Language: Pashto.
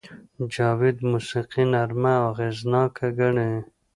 جاوید موسیقي نرمه او اغېزناکه ګڼي